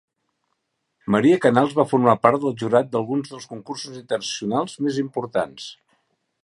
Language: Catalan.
Maria Canals va formar part del jurat d'alguns dels Concursos Internacionals més importants.